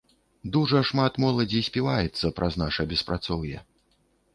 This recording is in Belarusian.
Дужа шмат моладзі співаецца праз наша беспрацоўе.